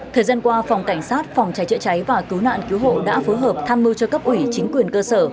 thời gian qua phòng cảnh sát phòng cháy chữa cháy và cứu nạn cứu hộ đã phối hợp tham mưu cho cấp ủy chính quyền cơ sở